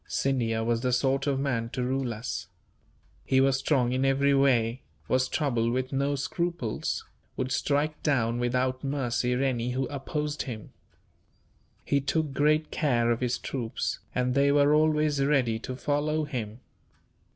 "Scindia was the sort of man to rule us. He was strong in every way, was troubled with no scruples, would strike down without mercy any who opposed him. He took great care of his troops, and they were always ready to follow him.